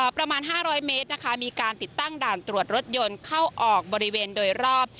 ประมาณ๕๐๐เมตรนะคะมีการติดตั้งด่านตรวจรถยนต์เข้าออกบริเวณโดยรอบ